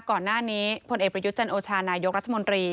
ก่อนหน้านี้พลเอกประยุทธ์จันโอชานายกรัฐมนตรี